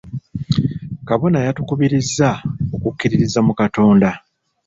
Kabona yatukubirizza okukkiririza mu Katonda.